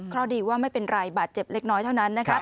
เพราะดีว่าไม่เป็นไรบาดเจ็บเล็กน้อยเท่านั้นนะครับ